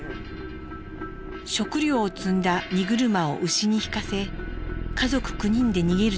食料を積んだ荷車を牛に引かせ家族９人で逃げる